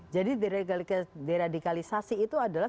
jadi deradikalisasi itu adalah